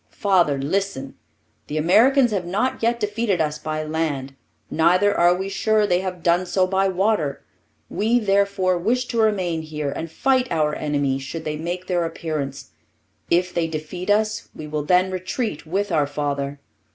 Father, listen! The Americans have not yet defeated us by land, neither are we sure they have done so by water; we, therefore, wish to remain here and fight our enemy should they make their appearance. If they defeat us, we will then retreat with our father.